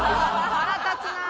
腹立つなあ。